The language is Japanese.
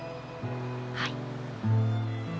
はい。